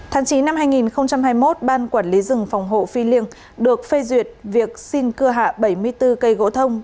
tháng chín năm hai nghìn hai mươi một ban quản lý rừng phòng hộ phi liêng được phê duyệt việc xin cưa hạ bảy mươi bốn cây gỗ thông